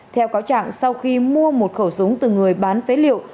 theo cáo trạng sau khi mua một khẩu súng từ người bán phế liệu